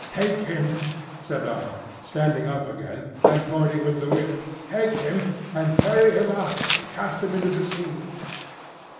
"Take him," said I, standing up again and pointing with the whip; "take him, and carry him out and cast him into the sea."